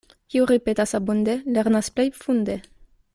Kiu ripetas abunde, lernas plej funde.